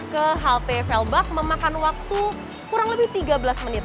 ke halte felback memakan waktu kurang lebih tiga belas menit